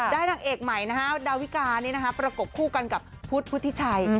ได้ทางเอกใหม่ดาวิกานี่ประกบคู่กันกับพุฒิพุฒิภูทิศัย